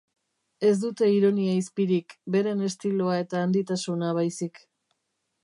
Ez dute ironia-izpirik, beren estiloa eta handitasuna baizik.